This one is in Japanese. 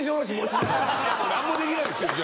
何もできないですよ。